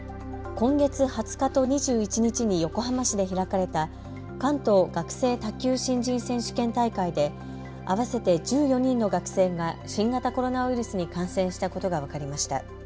今月２０日と２１日に横浜市で開かれた関東学生卓球新人選手権大会で合わせて１４人の学生が新型コロナウイルスに感染したことが分かりました。